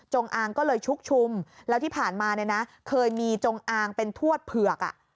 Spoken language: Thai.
อางก็เลยชุกชุมแล้วที่ผ่านมาเนี่ยนะเคยมีจงอางเป็นทวดเผือก